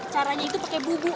caranya itu pakai bubu